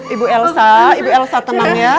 ibu elsa ibu elsa tenang ya